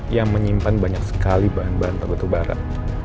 yang menyimpan banyak sekali bahan bahan teguh tubarat